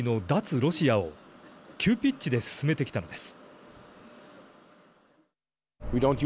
ロシアを急ピッチで進めてきたのです。